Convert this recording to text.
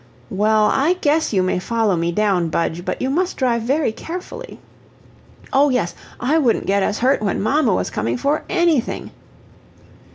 "Well, I guess you may follow me down, Budge, but you must drive very carefully." "Oh, yes I wouldn't get us hurt when mamma was coming, for ANYthing."